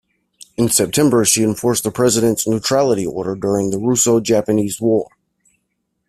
In September, she enforced the President's neutrality order during the Russo-Japanese War.